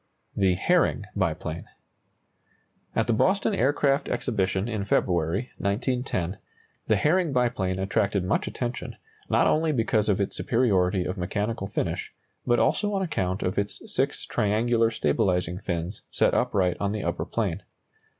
THE HERRING BIPLANE. At the Boston Aircraft Exhibition in February, 1910, the Herring biplane attracted much attention, not only because of its superiority of mechanical finish, but also on account of its six triangular stabilizing fins set upright on the upper plane.